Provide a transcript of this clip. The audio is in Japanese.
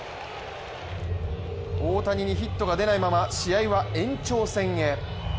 大谷にヒットが出ないまま、試合は延長戦へ。